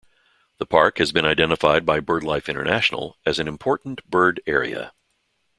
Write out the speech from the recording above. The park has been identified by BirdLife International as an Important Bird Area.